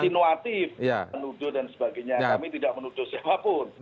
insinuatif menudo dan sebagainya kami tidak menudo siapapun